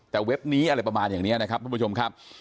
แต่เว็บนี้อะไรประมาณอย่างนี้นะครับทุกผู้ชมครับ